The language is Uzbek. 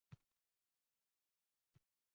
Toshkent manzaralari: kecha va bugun